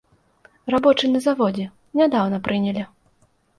Рабочы на заводзе, нядаўна прынялі.